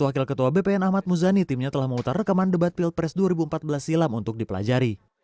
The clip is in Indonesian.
wakil ketua bpn ahmad muzani timnya telah memutar rekaman debat pilpres dua ribu empat belas silam untuk dipelajari